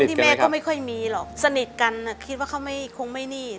ที่แม่ก็ไม่ค่อยมีหรอกสนิทกันคิดว่าเขาไม่คงไม่นี่